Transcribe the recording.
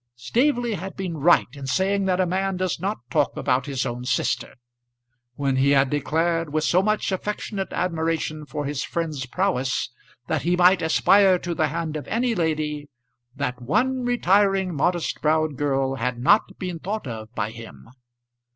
Staveley had been right in saying that a man does not talk about his own sister. When he had declared, with so much affectionate admiration for his friend's prowess, that he might aspire to the hand of any lady, that one retiring, modest browed girl had not been thought of by him.